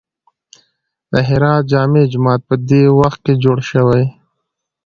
د هرات جامع جومات په دې وخت کې جوړ شوی.